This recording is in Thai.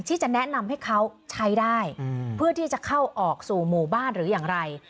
ที่จะแนะนำให้เขาใช้ได้เพื่อที่จะเข้าออกสู่หมู่บ้านหรืออย่างไร